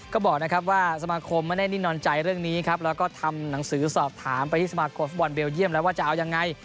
ก็บอกนะครับว่าสมาคมไม่ได้นิ่งนอนใจเรื่องนี้ครับแล้วก็ทำหนังสือสอบถามไปที่สมาคมฟุตบอลเบลเยี่ยมแล้วว่าจะเอายังไง